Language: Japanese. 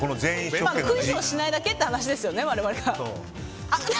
クイズをしないだけって話ですよね、我々が。